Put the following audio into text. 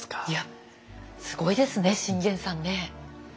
いやすごいですね信玄さんね。